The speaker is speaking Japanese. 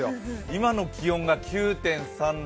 今の気温が９．３度。